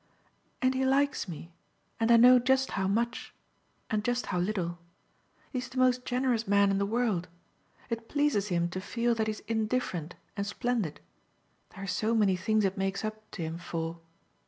"And he likes me, and I know just how much and just how little. He's the most generous man in the world. It pleases him to feel that he's indifferent and splendid there are so many things it makes up to him for."